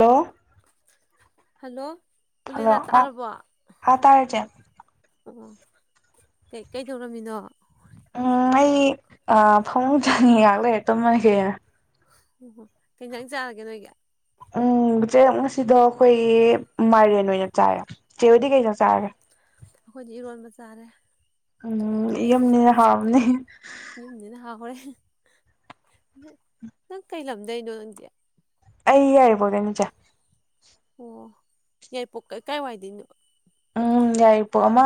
ꯇꯣ hello hello ꯎꯂꯦꯅꯥ ꯑꯥ ꯇꯥꯔꯕꯣ ꯑꯥ ꯇꯥꯔꯦ ꯆꯦ ꯑꯣ ꯀꯩ ꯀꯩꯗꯧꯔꯝꯃꯤꯅꯣ ꯎꯝ ꯑꯩ ꯐꯃꯨꯡ ꯆꯅꯤ ꯉꯍꯥꯛ ꯂꯩꯔꯦ ꯇꯨꯝꯃꯒꯦ꯫ ꯑꯣ ꯍꯣ ꯀꯩꯖꯪ ꯆꯥꯔꯒꯦ ꯅꯣꯏꯒꯤ? ꯎꯝ ꯏꯆꯦ ꯉꯁꯤꯗ ꯑꯩꯈꯣꯏ ꯃꯥꯏꯔꯦꯟ ꯑꯣꯏꯅ ꯆꯥꯏ꯫ ꯆꯦ ꯍꯣꯏꯗꯤ ꯀꯩ ꯆꯥꯛ ꯆꯥꯔꯒꯦ? ꯑꯩꯈꯣꯏꯗꯤ ꯏꯔꯣꯟꯕ ꯆꯥꯔꯦ꯫ ꯎꯝ ꯌꯨꯝꯅꯤꯅ ꯍꯥꯑꯣꯔꯝꯅꯤ꯫ ꯌꯨꯝꯅꯤꯅ ꯍꯥꯎꯔꯦ ꯅꯪ ꯀꯩꯂꯝꯗꯩꯅꯣ ꯅꯪꯗꯤ? ꯑꯩ ꯌꯥꯏꯔꯤꯄꯣꯛ ꯇꯩꯅꯤ ꯆꯦ꯫ ꯑꯣ ꯌꯥꯏꯔꯤꯄꯣꯛ ꯀꯥꯏ ꯋꯥꯏꯗꯩꯅꯣ? ꯎꯝ ꯌꯥꯏꯔꯤꯛꯄꯣꯛ ꯑꯃ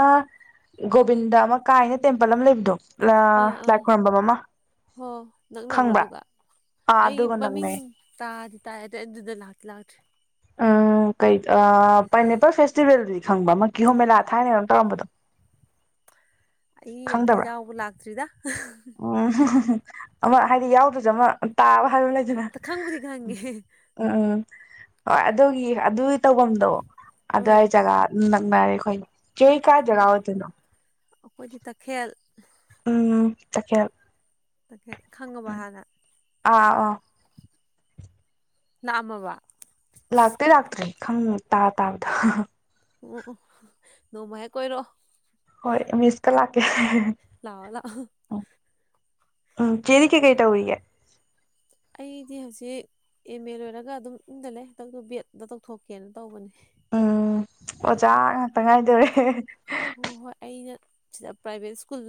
ꯒꯣꯕꯤꯟꯗ ꯑꯃ ꯀꯥꯏꯅ ꯇꯦꯝꯄꯜ ꯑꯃ ꯂꯩꯕꯗꯣ ꯑꯥ - ꯂꯥꯏ ꯑꯥ ꯈꯣꯏꯔꯝꯕꯝ ꯑꯃ ꯍꯣ ꯅꯛꯅꯕ꯭ꯔꯣ ꯈꯪꯕ꯭ꯔꯥ ꯑꯗꯨꯒ ꯑꯥ ꯑꯩ ꯑꯗꯨꯒ ꯃꯃꯤꯡ ꯅꯛꯅꯩ ꯇꯥꯗꯤ ꯇꯥ ꯑꯗꯩ ꯑꯗꯨꯗ ꯂꯥꯛꯇ ꯂꯥꯛꯇ꯭ꯔꯤ꯫ ꯎꯝ ꯀꯩ ꯄꯥꯏꯅꯦꯄꯜ ꯐꯦꯁꯇꯤꯚꯦꯜꯗꯤ ꯈꯪꯕ ꯑꯃ ꯀꯤꯍꯣ ꯃꯦꯂꯥ ꯊꯥꯏꯅꯒ ꯇꯧꯔꯝꯕꯗꯣ꯫ ꯑꯩ ꯑꯝꯇ ꯈꯪꯗꯕ꯭ꯔꯥ ꯌꯥꯎꯕ ꯂꯥꯛꯇ꯭ꯔꯤꯗ꯫ ꯎꯝ ꯑꯃ ꯍꯥꯏꯗꯤ ꯌꯥꯎꯗꯔ꯭ꯁꯨ ꯑꯃ ꯇꯥꯕ ꯈꯪꯕꯨꯗꯤ ꯈꯪꯉꯦ [unintelligible] ꯍꯣꯏ ꯑꯗꯨꯒꯤ ꯑꯗꯨ ꯇꯧꯐꯝꯗꯣ ꯑꯣ ꯑꯗꯨꯋꯥꯏ ꯖꯒꯥ [unintelligible] ꯖꯒꯥ ꯑꯣ ꯑꯣꯏꯗꯣꯏꯅꯣ ꯑꯩꯈꯣꯏꯗꯤ ꯇꯈꯦꯜ ꯫ ꯎꯝ ꯇꯈꯦꯜ ꯫ ꯈꯪꯉꯕ ꯍꯥꯟꯅ? ꯑꯥ ꯑꯥ ꯫ ꯄꯥꯛ ꯑꯝꯃꯕ? ꯂꯥꯛꯇꯤ ꯂꯥꯛꯇ꯭ꯔꯦ ꯈꯪ ꯇꯥ ꯇꯥꯕꯗꯣ꯫ ꯎꯝ ꯅꯣꯡꯃ ꯍꯦꯛ ꯀꯣꯏꯔꯣ꯫ ꯍꯣꯏ [unintelligible] ꯂꯑꯣ - ꯂꯥꯛ ꯎꯝ ꯎꯝ ꯆꯦꯗꯤ ꯀꯩ - ꯀꯩ ꯇꯧꯔꯤꯒꯦ? ꯑꯩꯗꯤ ꯍꯧꯖꯤꯛ ꯑꯦꯝ ꯑꯦ ꯂꯣꯏꯔꯒ ꯑꯗꯨꯝ ꯌꯨꯝꯗ ꯂꯩ ꯕꯦꯗ ꯇꯧꯊꯣꯛꯀꯦꯅ ꯇꯧꯕꯅꯦ꯫ ꯎꯝ ꯑꯣꯖꯥ ꯇꯉꯥꯏꯗꯧꯔꯦ ꯑꯗꯨ ꯍꯣꯏ ꯍꯣꯏ ꯑꯩꯅ ꯁꯤꯗ ꯄ꯭ꯔꯥꯏꯚꯦꯠ ꯁ꯭ꯀꯨꯜ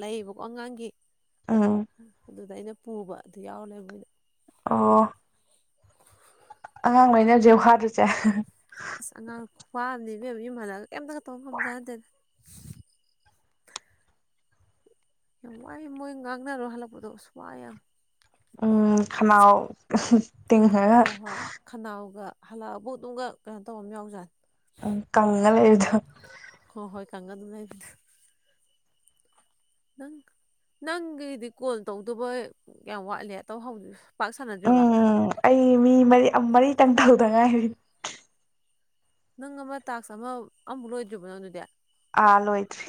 ꯂꯩꯌꯦꯕꯀꯣ ꯑꯉꯥꯡꯒꯤ ꯎꯝ ꯑꯗꯨꯗꯩꯅ ꯄꯨꯕ ꯑꯗꯨ ꯌꯥꯎꯂꯦ ꯃꯣꯏꯗ ꯑꯣ꯫ ꯑꯉꯥꯡꯈꯩꯅ ꯍꯧꯖꯤꯛ ꯍꯥꯗꯨꯁꯦ ꯑꯁ ꯑꯉꯥꯡ ꯋꯥꯕꯅꯦꯕꯦꯝꯕ ꯌꯨꯝꯍꯜꯂꯒ ꯀꯩꯝꯇꯒ ꯇꯧꯕ ꯉꯝꯕꯖꯠ ꯅꯥꯠꯇꯦꯗꯥ꯫ ꯋꯥꯃ ꯋꯥꯌꯦ ꯃꯣꯌ ꯉꯥꯛꯅꯔꯣ ꯍꯜꯄꯗ ꯑꯥꯁ ꯋꯥꯥꯏ ꯌꯥꯝ꯫ ꯎꯝ ꯈꯅꯥ ꯑꯣ ꯍꯣ ꯍꯣꯏ ꯈꯅꯥꯎꯒ ꯍꯜꯂꯛꯑꯕꯧ ꯑꯗꯨꯝꯒ ꯀꯩꯅꯣ ꯇꯧꯕꯝꯃ ꯌꯥꯎꯖꯥꯠꯅꯤ ꯎꯝ ꯀꯪꯉꯥ ꯂꯩꯕꯗꯣ ꯍꯣ ꯍꯣꯏ ꯀꯪꯉꯥ ꯑꯗꯨꯝ ꯂꯩ ꯕꯗꯣ ꯅꯪ ꯅꯪꯒꯤꯗꯤ ꯀꯣꯜ ꯇꯧꯗꯧꯕ ꯀꯌꯥꯝ ꯋꯥꯠꯂꯤ ꯇꯧꯍꯧꯗꯔꯤ ꯎꯝ ꯎꯝ ꯑꯩ ꯃꯤ ꯃꯔꯤ ꯑ ꯃꯔꯤ ꯈꯤꯇꯪ ꯇꯧꯗ ꯉꯥꯏꯔꯤ ꯅꯪ ꯑꯃ ꯇꯥꯛꯁ ꯑꯃ ꯑꯝꯕꯨꯛ ꯂꯣꯏꯗ꯭ꯔꯤꯕ ꯅꯪ ꯑꯗꯨꯗꯤ ꯑꯥ ꯂꯣꯏꯗ꯭ꯔꯤ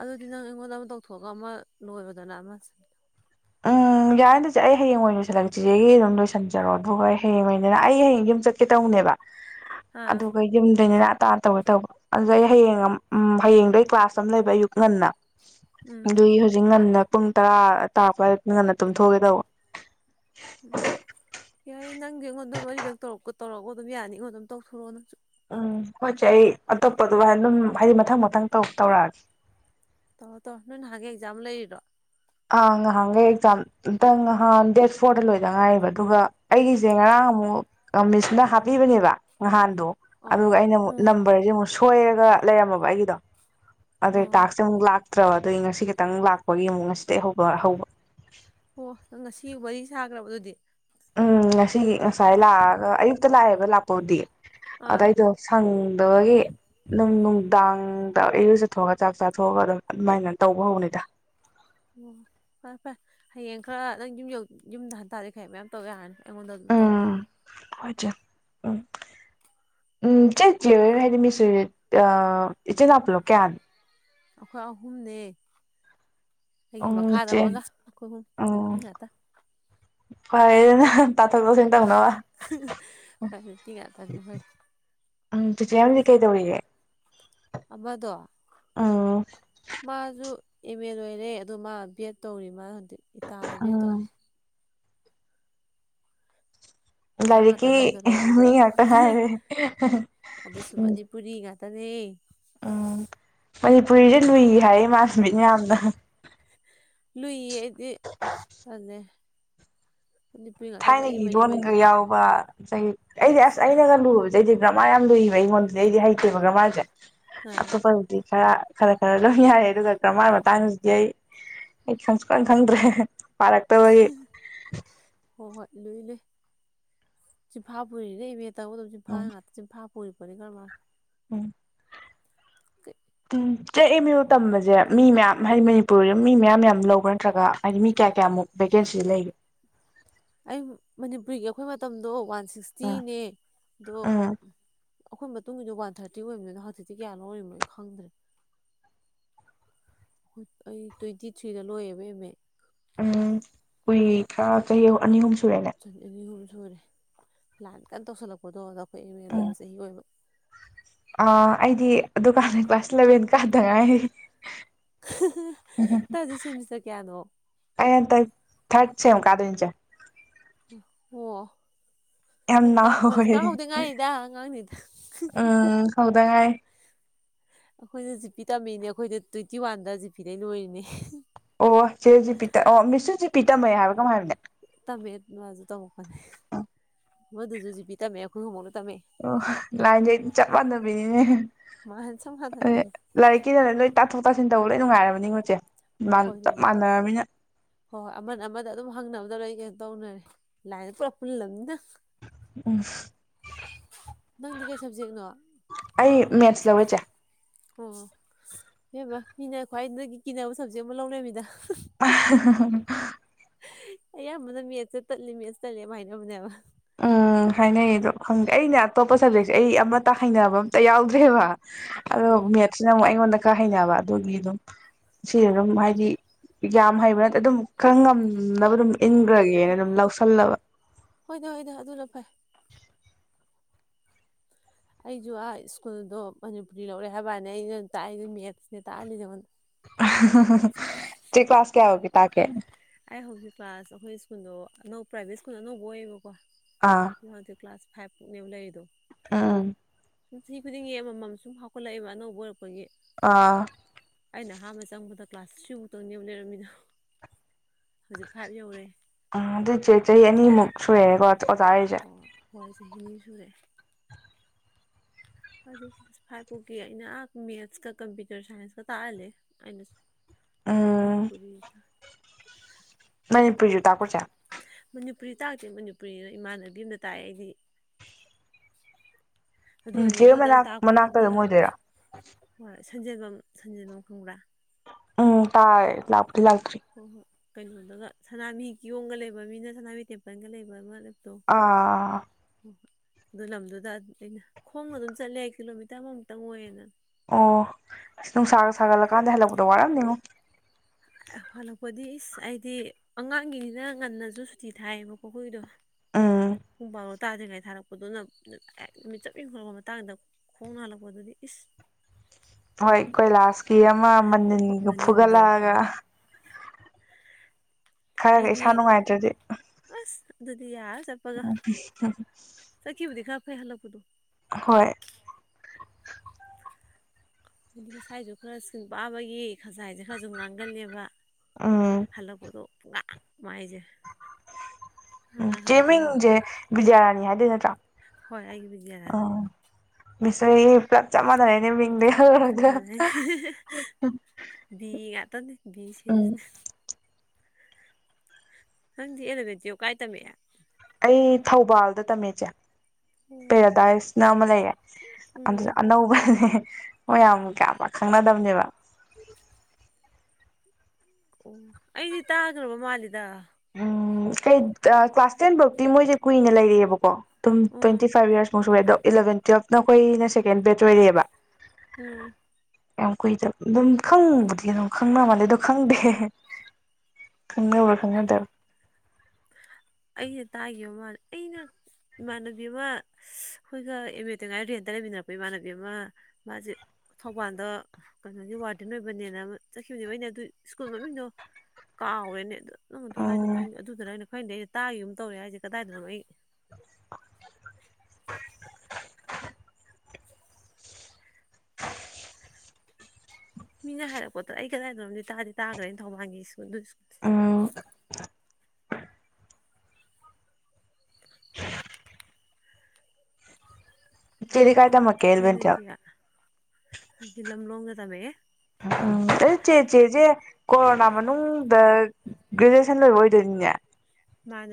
ꯑꯗꯨꯗꯤ ꯅꯪ ꯑꯩꯉꯣꯟꯗ ꯑꯃ ꯇꯧꯊꯣꯛꯑꯒ ꯑꯃ ꯂꯣꯏꯔꯣꯗꯅ ꯑꯃ ꯎꯝ ꯌꯥꯔꯗ ꯆꯦ ꯑꯩ ꯍꯌꯦꯡ ꯑꯣꯏꯅ ꯂꯣꯏꯁꯤꯜꯂꯒꯦ ꯆꯤꯆꯦꯒꯤ ꯑꯗꯨꯝ ꯂꯣꯏꯁꯟꯖꯔꯣ ꯑꯗꯨꯒ ꯑꯩ ꯍꯌꯦꯡ ꯑꯣꯏꯅꯗꯅ ꯑꯩ ꯍꯌꯦꯡ ꯌꯨꯝ ꯆꯠꯀꯦ ꯇꯧꯅꯦꯕ ꯑꯥ ꯑꯗꯨꯒ ꯌꯨꯝꯗꯩꯅꯔꯥꯠ ꯍꯞꯇꯥꯃꯥ ꯇꯧꯒꯦ ꯇꯧꯕ ꯑꯗꯨꯗꯩ ꯑꯩ ꯍꯌꯦꯡ ꯑꯝ ꯎꯝ ꯍꯌꯦꯡꯗꯩ ꯀ꯭ꯂꯥꯁ ꯑꯃ ꯂꯩꯕ ꯑꯌꯨꯛ ꯉꯟꯅ ꯎꯝ ꯑꯗꯨꯏ ꯍꯧꯖꯤꯛ ꯉꯟꯅꯞ ꯄꯨꯡ ꯇꯔꯥ ꯇꯥꯞꯄ ꯍꯥꯏ ꯉꯟꯅ ꯇꯨꯝꯊꯣꯛꯑꯒꯦ ꯇꯧꯕ ꯎꯝ ꯌꯥꯏ ꯅꯪꯒꯤ ꯑꯩꯉꯣꯟꯗ ꯃꯔꯤꯔꯛ ꯇꯧꯔꯛꯄ ꯇꯧꯔꯛꯄ ꯑꯗꯨꯝ ꯌꯥꯅꯤꯉꯣ ꯑꯗꯨꯝ ꯇꯧꯊꯣꯔꯛꯑꯣ ꯅꯪꯁꯨ ꯎꯝ ꯍꯣꯏꯆꯦ ꯑꯩ ꯑꯇꯣꯞꯄꯗꯨ ꯑꯗꯨꯝ ꯍꯥꯏꯗꯤ ꯃꯊꯪ ꯃꯊꯪ ꯇꯧꯔꯛꯑꯒꯦ ꯇꯧꯔꯣ ꯇꯧꯔꯣ ꯅꯣꯏ ꯅꯍꯥꯟꯒꯩ ꯑꯦꯛꯖꯥꯝ ꯂꯩꯔꯤꯔꯣ ꯑꯥ ꯉꯍꯥꯟꯒꯩ ꯑꯦꯛꯖꯥꯝ ꯑꯝꯇ ꯉꯍꯥꯟ ꯗꯦꯠ ꯐꯣꯔꯗ ꯂꯣꯏꯗ ꯉꯥꯏꯔꯤꯕ ꯑꯗꯨꯒ ꯑꯩꯒꯤꯖꯦ ꯉꯔꯥꯡ ꯑꯃꯨꯛ ꯑ ꯃꯤꯁꯅ ꯍꯥꯞꯄꯤꯕꯅꯦꯕ ꯉꯍꯥꯟꯗꯣ ꯑꯣ ꯑꯗꯨꯒ ꯑꯩꯅ ꯑꯃꯨꯛ ꯑꯣ ꯅꯝꯕꯔꯖꯦ ꯑꯃꯨꯛ ꯁꯣꯏ ꯁꯣꯏꯔꯒ ꯂꯩꯔꯝꯃꯕ ꯑꯩꯒꯤꯗꯣ ꯑꯗꯩ ꯑꯣ ꯇꯥꯛꯁ ꯁꯦ ꯑꯃꯨꯛ ꯂꯥꯛ ꯇꯔꯕꯥ ꯑꯗꯨꯏ ꯉꯁꯤ ꯈꯤꯇꯪ ꯂꯥꯛꯄꯒꯤ ꯑꯃꯨꯛ ꯉꯁꯤ ꯇꯦ ꯍꯧꯕ ꯍꯧꯕ ꯑꯣ ꯅꯪ ꯉꯁꯤ ꯋꯥꯔꯤ ꯁꯥꯒꯔꯕꯣ ꯑꯗꯨꯗꯤ ꯎꯝ ꯉꯁꯤꯒꯤ ꯉꯁꯥꯏ ꯂꯥꯛꯑꯒ ꯑꯌꯨꯛꯇ ꯂꯥꯛꯑꯦꯕ ꯑꯗꯨ ꯂꯥꯛꯄꯧꯗꯤ ꯑꯥ ꯑꯗꯩꯏꯗꯣ ꯁꯪꯗꯕꯒꯤ ꯅꯨꯡ ꯅꯨꯡ ꯗꯥꯡꯗ ꯏꯔꯨꯖꯊꯣꯛꯑꯒ ꯆꯥꯛ ꯆꯥꯊꯣꯛꯑꯒ ꯑꯗꯨꯝ ꯑꯗꯨꯃꯥꯏꯅ ꯇꯧꯕ ꯍꯧꯕꯅꯤꯗ ꯑꯣ ꯐꯔꯦ ꯐꯔꯦ ꯍꯌꯦꯡ ꯈꯔ ꯅꯪ ꯌꯨꯝ ꯌꯧ ꯌꯨꯝꯗ ꯍꯟꯇꯥꯔꯗꯤ ꯈꯩ ꯃꯌꯥꯝ ꯇꯧ ꯌꯥꯔꯅꯤ ꯑꯩꯉꯣꯟꯗ ꯑꯗꯨꯝ ꯇꯧꯔꯛꯑꯣ ꯎꯝ ꯍꯣꯏ ꯆꯦ ꯎꯝ ꯎꯝ ꯆꯦ ꯆꯦꯍꯣꯏ ꯍꯥꯏꯗꯤ ꯃꯤꯁꯨꯔꯤ ꯑ ꯏꯆꯤꯟꯅꯥꯎ ꯄꯨꯂꯞ ꯀꯌꯥꯅꯣ ꯑꯥꯈꯣꯏ ꯑꯍꯨꯝꯅꯦ ꯑꯩꯒꯤ ꯎꯝ ꯃꯈꯥꯗ ꯆꯦ ꯑꯃꯒ ꯈꯣꯏꯍꯨꯝ ꯅꯨꯄꯤ ꯉꯥꯛꯇ ꯐꯔꯦ ꯗꯨꯅꯥ ꯍꯣꯏ ꯅꯨꯄꯤ ꯉꯥꯛꯇꯅꯤ ꯑꯈꯣꯏꯗꯤ ꯎꯝ ꯆꯤꯆꯦ ꯑꯃꯗꯤ ꯀꯩꯗꯧꯔꯤꯒꯦ ꯑꯃꯗꯣ ꯎꯝ ꯃꯥꯁꯨ ꯑꯦꯝ ꯑꯦ ꯂꯣꯏꯔꯦ ꯑꯗ‌ꯣ ꯃꯥ ꯕꯤ ꯑꯦꯠ ꯇꯧꯔꯤ ꯃꯥ ꯏꯇꯥꯗ ꯕꯤ ꯑꯦꯗ ꯎꯝ ꯇꯧꯔꯤ ꯑꯣꯖꯥ ꯉꯥꯛꯇ ꯂꯥꯏꯔꯤꯛꯀꯤ ꯉꯥꯏꯗꯣꯔꯦ ꯄꯨꯂꯞ ꯃꯤ ꯉꯥꯛꯇ ꯍꯥꯏꯔꯦ ꯎꯝ ꯀꯔꯤ ꯎꯝ ꯃꯅꯤꯄꯨꯔꯤꯗꯤ ꯂꯨꯏ [unintelligible] ꯃꯥꯁꯃꯤꯗ ꯌꯥꯝꯅ ꯂꯨꯏꯌꯦ ꯑꯩꯗꯤ ꯑꯁ ꯃꯅꯤꯄꯨꯔꯤ ꯉꯥꯛꯇ ꯃꯔꯤ ꯊꯥꯏꯅꯒꯤ ꯃꯔꯤ ꯃꯔꯤ ꯂꯣꯟꯒ ꯑꯗꯨꯝ ꯆꯠꯈ꯭ꯔꯦ ꯌꯥꯎꯕ ꯉꯁꯥꯏꯒꯤ ꯑꯩꯗꯤ ꯑꯁ ꯑꯩꯅꯒ ꯂꯨꯨꯖꯩꯗꯤ ꯒꯔꯃꯥꯔ ꯌꯥꯝ ꯂꯨꯏꯌ‌ꯦꯕ ꯑꯩꯉꯣꯟꯗꯗꯤ ꯑꯩꯗꯤ ꯍꯩꯇꯦꯕ ꯒꯔꯃꯥꯔꯁꯦ ꯑ ꯑꯇ‌ꯣꯞꯄ ꯕꯨꯗꯤ ꯈꯔ ꯈꯔ ꯈꯔ ꯂꯣꯏ ꯌꯥꯔꯦ ꯑꯗꯨꯒ ꯒ꯭ꯔꯃꯥꯔ ꯃꯇꯥꯡꯁꯤꯗꯤ ꯑꯩ ꯑꯩ ꯈꯪ ꯁꯨꯈꯪ ꯈꯪꯗ꯭ꯔꯦ ꯄꯔꯛꯇꯕꯩ ꯆꯤꯝꯐꯥ ꯄꯨꯔꯤꯅꯤ ꯏꯕꯦ ꯇꯧꯗ ꯆꯤꯝꯐ ꯎꯝ ꯉꯥꯛ ꯆꯤꯝꯐꯥ [unintelligible] ꯎꯝ ꯀꯩ ꯆꯦ ꯑꯦꯝ ꯌꯨ ꯇꯝꯕꯁꯦ ꯃꯤ ꯃꯌꯥꯝ ꯍꯥꯏꯗꯤ ꯃꯅꯤꯄꯨꯔꯗ ꯃꯤ ꯃꯌꯥꯝ ꯃꯌꯥꯝ ꯂꯧꯕ꯭ꯔꯥ ꯅꯠꯇ꯭ꯔꯒ ꯍꯥꯏꯗꯤ ꯃꯤ ꯀꯌꯥ ꯀꯌꯥꯃꯨꯛ ꯚꯦꯀꯦꯟꯁꯤ ꯂꯩꯒꯦ ꯑꯩ ꯃꯅꯤꯄꯨꯔꯤꯒꯤ ꯑꯩꯈꯣꯏ ꯃꯇꯝꯗꯣ ꯋꯥꯟ ꯎꯝ ꯁꯤꯛꯁꯇꯤꯅꯦ ꯑꯗꯣ ꯎꯝ ꯑꯩꯈꯣꯏ ꯃꯇꯨꯡꯒꯤꯗ ꯋꯥꯟ ꯊꯥꯔꯇꯤ ꯑꯣꯏꯕꯅꯤꯅ ꯍꯧꯖꯤꯛꯇꯤ ꯀꯌꯥꯅꯣ ꯑꯣꯏꯔꯤꯔꯤꯕꯅꯣ ꯈꯪꯗ꯭ꯔꯦ ꯑꯩ ꯇ꯭ꯋꯦꯟꯇꯤ ꯊ꯭ꯔꯤꯗ ꯂꯣꯏꯌꯦꯕ ꯑꯦꯝ ꯑꯦ ꯎꯝ ꯀꯨꯏ ꯈꯔ ꯆꯍꯤ ꯑꯅꯤ ꯑꯍꯨꯝ ꯁꯨꯔꯦꯅꯦ ꯆꯍꯤ ꯑꯅꯤ ꯑꯍꯨꯝ ꯁꯨꯔ‌ꯦ ꯂꯥꯟ ꯀꯥꯟ ꯇꯧꯁꯜꯂꯛꯄꯗꯣ ꯑꯩꯈꯣꯏ ꯏꯔꯦꯟ ꯎꯝ ꯑꯣꯏꯕ ꯆꯍꯤ ꯑꯣꯏꯕ ꯑ ꯑꯩꯗꯤ ꯑꯗꯨꯀꯥꯟꯗ ꯀ꯭ꯂꯥꯁ ꯏꯂꯚꯦꯟ ꯀꯥꯗꯉꯥꯏꯔꯤ ꯅꯪ ꯍꯨꯖꯤꯛ ꯁꯤꯃꯤꯁꯇꯔ ꯀꯌꯥꯅꯣ ꯑꯩ ꯍꯟꯇꯛ ꯊꯥꯔꯠ ꯁꯦꯝ ꯀꯥꯗꯣꯏꯅꯤ ꯆꯦ ꯑꯣ ꯌꯥꯝ ꯅꯪ ꯀꯥ ꯅꯥꯎꯋꯦ ꯀꯣꯂꯦꯖ ꯀꯥꯍꯧꯗ ꯉꯥꯏꯔꯤꯗ ꯑꯉꯥꯡꯅꯤꯗ ꯍꯧꯗꯉꯥꯏꯔꯤ ꯑꯈꯣꯏꯖꯨ ꯖꯤꯄꯤꯗ ꯇꯝꯃꯤꯅꯦ ꯑꯈꯣꯏꯗꯣ ꯇ꯭ꯋꯦꯟꯇꯤ ꯋꯥꯟꯗ ꯖꯤꯄꯤꯗꯩ ꯂꯣꯏꯔꯤꯅꯦ ꯑꯣ ꯁꯤꯦꯁꯤꯦ ꯄꯤ ꯑꯣ ꯃꯤꯁꯁꯤ ꯄꯤ ꯇꯝꯃꯦꯩ ꯍꯥꯏꯕ ꯀꯃꯥꯏ ꯍꯥꯏꯕꯅꯦ [unintelligible] ꯇꯝꯃꯛ ꯄꯅꯦ ꯑ ꯃꯣꯏꯗꯨꯖꯖꯤ ꯄꯤꯥ ꯃꯦ ꯑꯩ ꯈꯃꯣ ꯑꯣ ꯂꯥꯏꯟꯗꯤ ꯆꯞ ꯃꯥꯟꯅꯕꯤꯅꯤꯅꯦ ꯃꯥꯅ ꯁꯨꯝ ꯑ ꯍꯥꯟꯅꯈꯤꯅꯦ ꯂꯥꯏꯔꯤꯛꯀꯤꯗ ꯂꯣꯏ ꯇꯥꯊꯣꯛ ꯇꯥꯁꯤꯟ ꯇꯧ ꯂꯣꯏ ꯅꯨꯡꯉꯥꯏꯔꯝꯃꯅꯤꯉꯣ ꯆꯦ ꯃꯥꯟ ꯍꯣꯏ ꯆꯞ ꯅꯨꯡꯉꯥꯏ ꯃꯥꯟꯅꯔꯕꯅꯤꯅ ꯍꯣꯏ ꯍꯣꯏ ꯑꯃꯅ ꯑꯃꯗ ꯑꯗꯨꯝ ꯍꯪꯅꯕꯗ ꯂꯣꯏ ꯌꯦ ꯇꯧꯅꯔꯦ ꯂꯥꯏꯟ ꯄꯨꯂꯞ ꯄꯨꯜꯂꯝꯅꯤꯅ ꯎꯝ ꯅꯪꯗꯤ ꯀꯩ ꯁꯕꯖꯦꯛꯅꯣ ꯑꯣ ꯑꯩ ꯃꯦꯠꯁ ꯂꯧꯋꯤ ꯆꯦ ꯑꯣ ꯏꯕ ꯃꯤꯅ ꯈ꯭ꯋꯥꯏꯗꯒꯤ ꯀꯤꯅꯕ ꯁꯕꯖꯦꯛ ꯑꯃ ꯂꯧꯅꯔꯃꯤꯗ ꯑꯌꯥꯝꯕꯅ ꯃꯦꯠꯁ ꯇꯠꯂꯤ ꯃꯦꯠꯁ ꯆꯠꯂꯤ ꯑꯗꯨ ꯍꯥꯏꯅꯕꯅꯦꯕ ꯎꯝ ꯍꯥꯏꯅꯩ ꯑꯗꯣ ꯈꯪ ꯑꯩꯅ ꯑꯇꯣꯞꯄ ꯁꯕꯖꯦꯛꯁꯦ ꯑꯩ ꯑꯃ ꯇꯥ ꯍꯩꯅꯕ ꯑꯝꯇ ꯌꯥꯎꯗ꯭ꯔꯦꯕ ꯑꯗꯣ ꯑꯣ ꯃꯦꯠꯁ ꯑꯃꯨꯛ ꯑꯩꯉꯣꯟꯗ ꯈꯔ ꯍꯩꯅꯕ ꯑꯗꯨꯒꯤ ꯑꯗꯨꯝ ꯁꯤ ꯑꯗꯨꯝ ꯍꯥꯏꯗꯤ ꯌꯥꯝ ꯍꯩꯕ ꯅꯠꯇꯦ ꯑꯗꯨꯝ ꯈꯔ ꯉꯝ ꯅꯕ ꯗꯨꯝ ꯏꯟꯈ꯭ꯔꯒꯦꯅ ꯑꯗꯨꯝ ꯂꯧꯁꯜꯂꯕ ꯍꯣꯏꯗ ꯍꯣꯏꯗ ꯑꯗꯨꯅ ꯐꯩ ꯑꯩꯁꯨ ꯑꯥ ꯁ꯭ꯀꯨꯜꯗꯣ ꯃꯅꯤꯄꯨꯔꯤ ꯂꯧꯔꯦ ꯍꯥꯏꯕꯅꯦ ꯑꯩꯅ ꯇꯥꯛꯏꯁ ꯃꯦꯠꯁꯅꯦ ꯇꯥꯛꯜꯂꯤ ꯅ ꯑꯩꯉꯣꯟꯗ ꯆꯦ ꯀ꯭ꯂꯥꯁ ꯀꯌꯥꯒꯤ ꯇꯀꯦ ꯑꯩ ꯍꯧꯖꯤꯛ ꯀ꯭ꯂꯥꯁ ꯑꯈꯣꯏ ꯁ꯭ꯀꯨꯟꯗꯣ ꯑꯅꯧ ꯄ꯭ꯔꯥꯏꯚꯦꯠ ꯁ꯭ꯀꯨꯟ ꯑꯅꯧꯕ ꯑꯣꯏꯌꯦꯕ ꯀꯣ ꯃꯥꯗꯤ ꯀ꯭ꯂꯥꯁ ꯐꯥꯏꯚꯅꯦꯕ ꯂꯩꯗꯣ ꯑꯥ ꯁꯨꯝ ꯆꯍꯤ ꯈꯨꯗꯤꯡꯒꯤ ꯑꯃꯃꯝ ꯁꯨꯝ ꯍꯥꯞꯀꯠꯂꯛꯏꯕ ꯑꯅꯧꯕ ꯑꯣꯏꯔꯛꯄꯒꯤ ꯑꯥ ꯑꯩꯅ ꯑꯍꯥꯟꯕ ꯆꯪꯕꯗ ꯀ꯭ꯂꯥꯁ ꯁꯤꯐꯨꯛꯇꯪꯅꯦꯕ ꯂꯩꯔꯝꯃꯤꯗꯣ ꯍꯧꯖꯤꯛ ꯐꯥꯏꯚ ꯌꯧꯔꯦ ꯑ ꯑꯗꯨꯆꯦ ꯆꯍꯤ ꯑꯅꯤꯃꯨꯛ ꯁꯨꯔꯦꯑꯦꯀꯣ ꯑꯣꯖꯥ ꯍꯥꯏꯁꯦ ꯑꯣ ꯍꯣꯏ ꯆꯍꯤꯅꯤ ꯁꯨꯔꯦ ꯑꯗꯨ ꯀ꯭ꯂꯥꯁ ꯐꯥꯏꯚ ꯐꯥꯎꯒꯤ ꯑꯩꯅ ꯃꯦꯠꯁꯀ ꯀꯝꯄ꯭ꯌꯨꯇꯔ ꯁꯥꯏꯟꯁꯀ ꯇꯥꯛꯍꯜꯂꯦ ꯑꯩꯅ ꯎꯝ ꯃꯅꯤꯄꯨꯔꯔꯤꯗ ꯃꯥꯅꯤꯄꯨꯔꯤꯁꯨ ꯇꯛꯄꯔꯥ ꯆꯦ ꯃꯅꯤꯄꯨꯔꯤ ꯇꯥꯛꯇꯦ ꯃꯅꯤꯄꯨꯔꯤꯅ ꯏꯃꯥꯟꯅꯕꯤ ꯑꯃꯅ ꯇꯥꯛꯑꯦ ꯑꯩꯗꯤ ꯑꯗꯨ ꯎꯝ ꯆꯦ ꯑꯅꯤꯗꯨꯗꯪ ꯃꯅꯥꯛ ꯃꯅꯥꯛꯇ ꯑꯗꯨꯝ ꯑꯣꯏꯗꯣꯏꯔꯥ ꯁꯟꯖꯦꯜꯕꯝ ꯁꯟꯖꯦꯜꯕꯝ ꯈꯣꯡꯕ꯭ꯔꯥ ꯎꯝ ꯇꯥꯔꯦ ꯂꯥꯛꯈ꯭ꯔꯤ ꯀꯩꯅꯣꯗꯨꯒ ꯁꯅꯥꯃꯤꯍꯤ ꯀꯤꯌꯣꯡꯒ ꯂꯩꯕ ꯃꯤꯅ ꯁꯅꯥꯃꯤꯍꯤ ꯇꯦꯝꯄꯜꯒ ꯂꯩꯕ ꯑꯃ ꯂꯩꯕꯗꯣ ꯑꯥ ꯑꯗꯨ ꯂꯝꯗꯨꯗ ꯑꯩꯅ ꯈꯣꯡꯅ ꯗꯨꯝ ꯆꯠꯂꯦ ꯀꯤꯂꯣꯃꯤꯇꯔ ꯑꯃꯨꯛꯇꯪ ꯑꯣꯏꯅ ꯑꯣ ꯑꯁ ꯅꯨꯡꯁꯥꯒ ꯁꯥꯒꯠꯂꯀꯥꯟꯗ ꯍꯜꯂꯛꯄꯗꯣ ꯋꯥꯔꯝꯅꯤꯉꯣ ꯑꯦ ꯍꯜꯂꯛꯄꯗꯤ ꯏꯁ ꯑꯩꯗꯤ ꯑꯉꯥꯡꯒꯤꯅꯤꯅ ꯉꯟꯅꯖꯨ ꯁꯨꯇꯤ ꯊꯥꯏꯕꯀꯣ ꯈꯣꯏꯒꯤꯗꯣ ꯎꯝ ꯇꯥꯗ꯭ꯔꯤꯉꯩ ꯊꯥꯔꯛꯄꯗꯨꯅ [unintelligible] ꯅꯨꯃꯤꯠ ꯆꯞ ꯌꯨꯡꯈꯠꯂꯛꯄ ꯃꯇꯥꯡꯗ ꯈꯣꯡꯅ ꯍꯜꯂꯛꯄꯗꯨꯗꯤ ꯏꯁ ꯍꯣꯏ ꯀꯣꯏꯂꯥꯁꯀꯤ ꯑꯃ ꯃꯅꯤꯟꯒ ꯃꯅꯤꯟꯗꯣ ꯍꯣ ꯐꯨꯒꯠꯂꯛꯑꯒ ꯈꯔꯒ ꯏꯁꯥ ꯅꯨꯡꯉꯥꯏꯇ꯭ꯔꯗꯤ ꯗꯨꯗꯤ ꯌꯥꯔ ꯆꯠꯄꯒ [unintelligible] ꯍꯣꯏ ꯍꯜꯂꯛꯄꯗꯨ ꯍꯣꯏ ꯍꯥꯏꯗꯤ ꯃꯁꯥꯏꯖꯨ ꯈꯔ ꯏꯁꯀꯤꯟ ꯄꯥꯕꯒꯤ ꯈꯖꯥꯏ ꯍꯥꯏꯖꯦ ꯈꯖꯨ ꯉꯥꯡꯒꯜꯂꯦꯕ ꯎꯝ ꯍꯜꯂꯛꯄꯗꯣ ꯄꯨꯨꯉꯥꯡ ꯃꯥꯏꯖꯦ ꯎꯝ ꯃꯤꯡꯖꯦ ꯕꯤꯖꯌ꯭ꯥꯔꯥꯅꯤ ꯍꯥꯏꯗꯣꯏ ꯅꯠ ꯇꯥ ꯍꯣꯏ ꯑꯩꯒꯤ ꯕꯤꯖꯌ꯭ꯥ ꯔꯥꯅꯤ ꯃꯤꯁ ꯑꯩ ꯄꯨꯂꯞ ꯆꯞ ꯃꯥꯟꯅꯔꯦꯅꯦ ꯃꯤꯡꯗꯤ ꯆꯞ ꯃꯥꯟꯅꯩ ꯗꯤ ꯉꯥꯠ ꯇꯅꯤ ꯕꯤ ꯎꯝ ꯁꯦꯔꯤꯁꯅꯦ ꯅꯪꯗꯤ ꯑꯦꯂꯕꯦꯟ ꯇꯨꯌꯦꯞ ꯀꯥꯏ ꯇꯝꯃꯛꯏ ꯑꯩ ꯊꯧꯕꯥꯜꯗ ꯇꯝꯃꯦ ꯆꯦ ꯑꯣ ꯄꯦꯔꯥꯗꯥꯏꯁꯅ ꯑꯃ ꯂꯩꯌꯦ ꯑꯗꯨꯗ ꯎꯝ ꯑꯅꯧꯕꯅꯦ ꯍꯣꯏ ꯌꯥꯝ ꯀꯌꯥ ꯄꯥꯛ ꯈꯪꯅꯗꯝꯅꯦꯕ ꯑꯣ ꯑꯩꯗꯤ ꯇꯥꯒꯔ꯭ ꯕ ꯃꯥꯜꯂꯤꯗ ꯎꯝ ꯀꯩ ꯀ꯭ꯂꯥꯁ ꯇꯦꯟ ꯕꯧꯇꯤ ꯃꯣꯏꯖꯦ ꯀꯨꯏꯅ ꯂꯩꯔꯛꯑꯦꯕꯀꯣ ꯇꯝ um twenty first to eleven twelve ꯅꯈꯣꯏꯅ ꯁꯦꯀꯦꯟ ꯕꯦꯠ ꯑꯣꯏꯔꯑꯦꯕ ꯎꯝ ꯌꯥꯝ ꯀꯨꯏꯗꯦ ꯑꯗꯨꯝ ꯈꯪꯕꯨꯗꯤ ꯑꯗꯨꯝ ꯈꯪꯅ ꯃꯥꯜꯂꯦ ꯑꯗꯣ ꯈꯪꯗꯦ ꯈꯪꯅꯕ ꯐꯉꯗ ꯑꯩꯅ ꯇꯥꯈꯤꯕ ꯃꯥꯜꯂ ꯑꯩꯅ ꯏꯃꯥꯟꯅꯕꯤ ꯑꯃ ꯑꯩꯈꯣꯏꯒ ꯑꯦꯝ ꯑꯦ ꯇꯦꯡ ꯉꯥꯏ ꯔꯦꯟꯇ ꯂꯩꯃꯤꯟꯅꯔꯛꯄ ꯏꯃꯥꯟꯅꯕꯤ ꯑꯃ ꯃꯥꯁꯦ ꯊꯧꯕꯥꯜꯗ ꯀꯩꯅꯣꯒꯤ ꯋꯥꯔꯗꯦꯟ ꯑꯣꯏꯕꯅꯦꯅ ꯆꯠꯈꯤꯕꯅꯦꯕ ꯑꯩꯅ ꯑꯗꯨ ꯁ꯭ꯀꯨꯜ ꯃꯅꯨꯡꯃꯤꯗꯣ ꯀꯥꯎꯔꯦꯅꯦ ꯑꯗꯣ ꯅ ꯑꯗꯨ ꯍꯥꯏꯗꯣ ꯃꯣꯏ ꯎꯝ ꯑꯗꯨꯗꯅ ꯑꯩꯅ ꯐ ꯇꯗꯥꯈꯤꯕ ꯑꯃ ꯇꯧꯔꯦ ꯍꯥꯏꯁꯦ ꯀꯗꯥꯏꯗꯅꯣ ꯑꯩ ꯑꯩ ꯃꯤꯅ ꯍꯥꯏꯔꯛꯄꯗ꯭ꯔꯥ ꯑꯩ ꯀꯗꯥꯏꯗꯣꯝꯗꯤ ꯇꯥꯗꯤ ꯇꯥꯈ꯭ꯔꯦꯅ ꯊꯧꯕꯥꯜꯒꯤ ꯁꯀꯨꯜ ꯑꯗꯨ ꯁ꯭ꯀꯨꯜꯁꯦ ꯎꯝ ꯆꯦꯗꯤ ꯀꯥꯏ ꯇꯝꯃꯛꯀꯦ ꯏꯂꯚꯦꯟ [unintelligible] ꯇꯨꯌꯦꯜꯞ ꯑꯩꯗꯤ ꯂꯝꯂꯣꯡꯗ ꯇꯃꯦ ꯎꯝ ꯑꯗꯣ ꯆꯦ ꯆꯦꯖꯦ ꯀꯣꯔꯣꯅꯥ ꯃꯅꯨꯡꯗ ꯒ꯭ꯔꯦꯖꯨꯑꯦꯁꯟ ꯂꯣꯏꯕ ꯑꯣꯏꯗꯣꯏꯅꯤꯅꯦ꯫ ꯃꯥ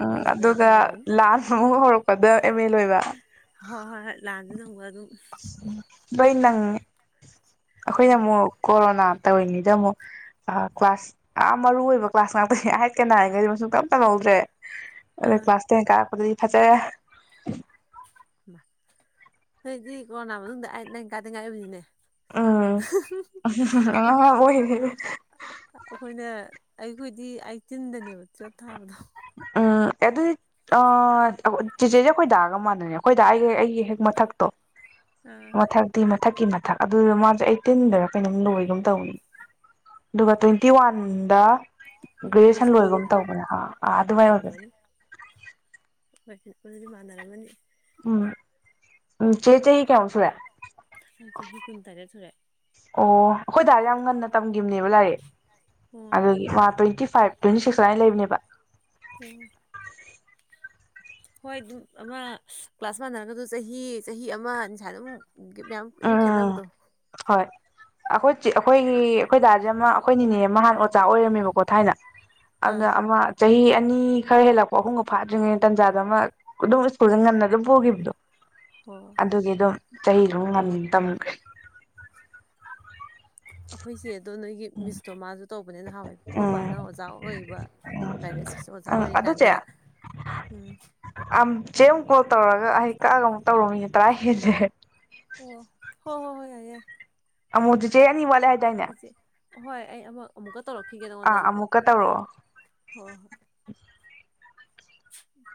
ꯎꯝ ꯑꯗꯨꯒ ꯂꯥꯜ ꯑꯃꯨꯛ ꯍꯧꯔꯛ ꯄꯗꯥ ꯍ ꯍ ꯂꯥꯟ [unintelligible] [inaudible] ꯂꯣꯏ ꯅꯪꯉꯦ꯫ ꯑꯩꯈꯣꯏꯅ ꯅꯪꯒꯤ ꯑꯃꯨꯛ ꯀꯣꯔꯣꯅꯥ ꯇꯧꯔꯤꯉꯩꯗ ꯑꯃꯨꯛ ꯀ꯭ꯂꯥꯁ ꯌꯥꯝ ꯃꯔꯨ ꯑꯣꯏꯕ ꯀ꯭ꯂꯥꯁ ꯉꯥꯛꯇꯅꯤ ꯑꯏꯠꯀ ꯅꯥꯏꯒꯗꯤ ꯁꯨꯡꯇꯝ ꯇꯝꯍꯧꯗ꯭ꯔꯦ꯫ ꯑꯥ ꯀ꯭ꯂꯥꯁ ꯇꯦꯟ ꯀꯥꯔꯛꯄꯗꯩ ꯐꯖꯔꯦ! ꯅꯣꯏꯗꯤ ꯀꯣꯔꯣꯅꯥ ꯃꯇꯨꯡ ꯑꯏꯠ ꯅꯥꯏꯟ ꯀꯥꯗ ꯉꯥꯏꯔꯝꯃꯅꯤꯅꯦ꯫ ꯎꯝ ꯑꯉꯥꯡ ꯑꯣꯏꯔꯦ ꯑꯩꯈꯣꯏꯅ ꯑꯩꯈꯣꯏꯗꯤ ꯑꯩ ꯇꯤꯟꯗꯅꯦꯕ ꯇꯨꯌꯦꯜꯄ ꯊꯥꯕꯗꯣ꯫ ꯎꯝ ꯑꯗꯨꯗꯤ ꯆꯦꯆꯦꯁꯦ ꯑꯩꯈꯣꯏꯗꯥꯥꯒ ꯃꯥꯟꯅꯔꯦ ꯑꯩꯈꯣꯏꯗ ꯑꯩꯒ ꯑꯩꯒꯤ ꯍꯦꯛ ꯃꯊꯛꯇꯣ ꯑꯥ ꯃꯊꯛꯇꯤ ꯃ ꯃꯊꯛꯀꯤ ꯃꯊꯛ ꯑꯗꯨꯗ ꯃꯥꯖ ꯑꯩꯠꯇꯤꯟꯗꯔ ꯀꯩꯅꯣꯝ ꯂꯣꯏꯒꯨꯝ ꯇꯧꯅꯤ ꯑꯗꯨꯒ ꯇ꯭ꯋꯦꯟꯇꯤ ꯋꯥꯟꯗ ꯒ꯭ꯔꯦꯖꯨꯑꯦꯁꯟ ꯂꯣꯏꯔꯒꯨꯝ ꯇꯧꯕꯅꯦ ꯑ꯫ ꯑꯣꯔꯝꯃꯅꯤ꯫ ꯑꯗꯨꯗꯤ ꯃꯥꯟꯅꯔꯝꯃꯅꯤ꯫ ꯎꯝ꯫ ꯎꯝ ꯆꯦ ꯆꯍꯤ ꯀꯌꯥꯃꯨꯛ ꯁꯨꯔꯦ ꯑꯩ ꯆꯍꯤ ꯀꯨꯟ ꯇꯔꯦꯠ ꯁꯨꯔꯦ꯫ ꯑꯣ ꯑꯩꯈꯣꯏꯗꯗꯥꯔ ꯌꯥꯝ ꯉꯟꯅ ꯇꯝ ꯅꯦꯕꯥ ꯂꯥꯏꯔꯤꯛ, ꯑꯣ ꯑꯗꯨꯒꯤ ꯃꯥ twenty five twenty six ꯑꯗꯨꯃꯥꯏꯅ ꯂꯩꯕꯅꯦꯕ꯫ ꯎꯝ꯫ ꯍꯣꯏ ꯑꯗꯨꯝ ꯑꯃ ꯀ꯭ꯂꯥꯁ ꯃꯥꯟꯅꯔꯒ ꯖꯨ ꯆꯍꯤ - ꯆꯍꯤ ꯑꯃ ꯅꯤꯁꯥꯗ ꯑꯃꯨꯛ ꯃꯌꯥꯝ ꯑꯗꯨꯝ ꯎꯝ ꯈꯦꯠꯅꯕꯗꯣ꯫ ꯍꯣꯏ ꯑꯩꯈꯣꯏ ꯑꯩꯈꯣꯏꯒꯤ ꯑꯩꯈꯣꯏ ꯗꯥꯖꯦ ꯑꯃ ꯑꯩꯈꯣꯏ ꯅꯤꯅꯦ ꯑꯃ ꯍꯥꯟ ꯑꯣꯖꯥ ꯑꯣꯏꯔꯝꯃꯦꯕꯀꯣ ꯊꯥꯏꯅ ꯑꯥ ꯑꯗꯨꯅ ꯑꯃ ꯆꯍꯤ ꯑꯅꯤ ꯈꯔ ꯍꯦꯜꯂꯛꯄꯣ ꯑꯍꯨꯝꯒ ꯐꯥꯗ꯭ꯔꯤꯉꯩ ꯇꯟꯖꯥꯗꯨ ꯑꯃ ꯑꯗꯨꯝ ꯁ꯭ꯀꯨꯜꯗ ꯉꯟꯅ ꯑꯗꯨꯝ ꯄꯨꯈꯤꯕꯗꯣ꯫ ꯍꯣ ꯑꯗꯨꯒꯤ ꯑꯗꯨꯝ ꯆꯍꯤ ꯑꯗꯨꯝ ꯃꯗꯝ ꯑꯩꯈꯣꯏꯁꯦ ꯑꯗꯣ ꯅꯣꯏꯒꯤ ꯃꯤꯁꯇꯣ ꯃꯥꯁꯨ ꯇꯧꯕꯅꯤꯅ ꯅꯍꯥꯟꯋꯥꯏ ꯑꯩꯈꯣꯏꯕꯥꯅ ꯎꯝ ꯑꯣꯖꯥ ꯑꯣꯏꯕ ꯎꯝ ꯄ꯭ꯔꯥꯏꯚꯦꯠ ꯁ꯭ꯀꯨꯜꯁꯦ ꯑꯣꯖꯥ ꯎꯝ ꯑꯗꯨ ꯆꯦ ꯑꯣꯏꯔꯤꯀꯥꯟꯗ ꯎꯝ ꯆꯦ ꯑꯃꯨꯛ ꯀꯣꯜ ꯇꯧꯔꯒ ꯑꯩ ꯀꯛꯑꯒ ꯑꯃꯨꯛ ꯇꯧꯔꯣꯃꯤꯅꯤ ꯇꯔꯥ ꯍꯦꯜꯁꯦ ꯑꯣ ꯍꯣ ꯍꯣ ꯍꯣꯏ ꯌꯥꯏ ꯌꯥꯏ ꯑꯃꯨꯗꯨ ꯆꯦ ꯑꯅꯤ ꯋꯥꯠꯂꯦ ꯍꯥꯏꯇꯥꯅꯦ ꯏꯆꯦ ꯍꯣꯏ ꯑꯩ ꯑꯃꯨꯛ ꯑꯃꯨꯛꯀꯧꯔꯛꯀꯦ ꯑꯥ ꯑꯃꯨꯀ ꯇꯧꯔꯑꯣ ꯎꯝ